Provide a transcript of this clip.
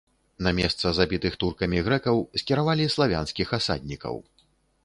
На месца забітых туркамі грэкаў скіравалі славянскіх асаднікаў.